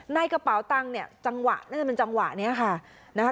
กระเป๋าตังค์เนี่ยจังหวะน่าจะเป็นจังหวะนี้ค่ะนะคะ